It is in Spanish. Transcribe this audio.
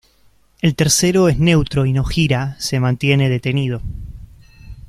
El tercero es neutro y no gira, se mantiene detenido.